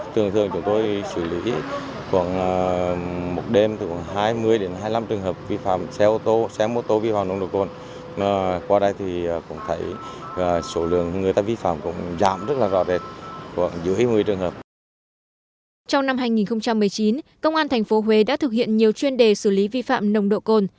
trong năm hai nghìn một mươi chín công an tp huế đã thực hiện nhiều chuyên đề xử lý vi phạm nồng độ cồn